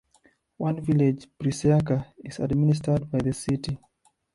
One village, Priseaca, is administered by the city.